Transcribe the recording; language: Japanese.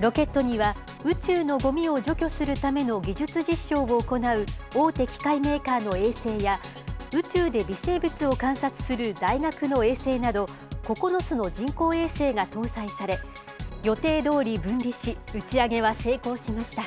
ロケットには、宇宙のごみを除去するための技術実証を行う大手機械メーカーの衛星や、宇宙で微生物を観察する大学の衛星など、９つの人工衛星が搭載され、予定どおり分離し、打ち上げは成功しました。